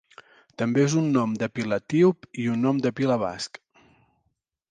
També és un nom de pila etíop i un nom de pila basc.